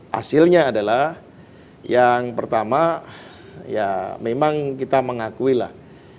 hasilnya adalah yang pertama ya memang kita mengakui lah